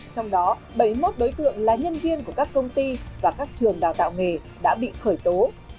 trong đó bảy mươi một đối tượng là nhân viên của các công ty và các trường đào tạo nghề đã bị khởi tố